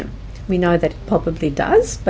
kami tahu bahwa mungkin bisa